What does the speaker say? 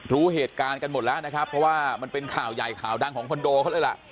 รู้เหตุการณ์กันหมดแล้วนะครับเพราะว่ามันเป็นข่าวใหญ่ข่าวดังของคอนโดเขาเลยล่ะ